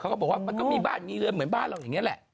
ก็บอกว่ามันก็มีบ้านมีเรือนเหมือนบ้านเราอย่างนี้แหละ